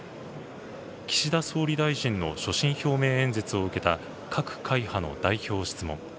岸田総理大臣の所信表明演説を受けた各会派の代表質問。